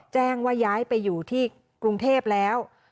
แจ้งว่าย้ายไปอยู่ที่กรุงเทพแล้ว